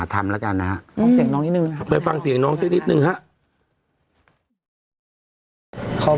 ฟังเสียงน้องนิดนึงนะครับฟังเสียงน้องนิดนึงนะครับไปฟังเสียงน้องเสียงนิดนึงนะครับ